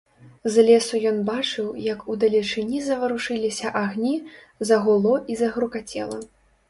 З лесу ён бачыў, як удалечыні заварушыліся агні, загуло і загрукацела.